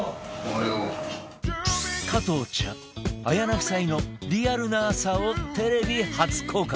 加藤茶・綾菜夫妻のリアルな朝をテレビ初公開